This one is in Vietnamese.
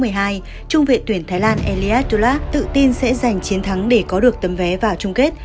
trung viện tuyển thái lan elias dolat tự tin sẽ giành chiến thắng để có được tấm vé vào chung kết